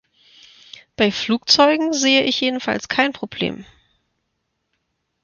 Bei Flugzeugen sehe ich jedenfalls kein Problem.